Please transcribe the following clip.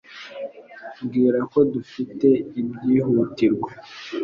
Bwira ko dufite ibyihutirwa.